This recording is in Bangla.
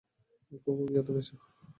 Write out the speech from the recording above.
খুব অভিজাত পেশা।